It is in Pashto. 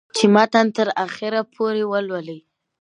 چې متن تر اخره پورې ولولي